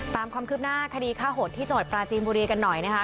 ตามความคืบหน้าคดีฆ่าโหดที่จังหวัดปราจีนบุรีกันหน่อยนะคะ